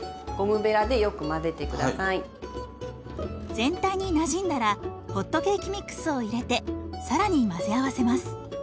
全体になじんだらホットケーキミックスを入れて更に混ぜ合わせます。